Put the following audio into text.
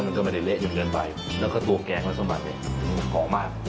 มันก็ไม่ได้เละจนเกินไปแล้วก็ตัวแกงและสมบัติเนี่ยหอมมาก